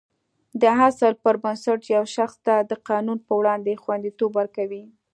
دا اصل پر بنسټ یو شخص ته د قانون په وړاندې خوندیتوب ورکوي.